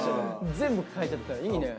全部変えちゃったいいね。